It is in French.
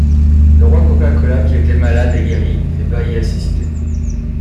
Le roi Kokakola qui était malade est guéri et va y assister.